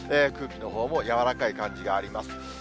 空気のほうもやわらかい感じがあります。